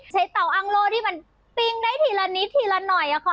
เตาอ้างโล่ที่มันปิ้งได้ทีละนิดทีละหน่อยค่ะ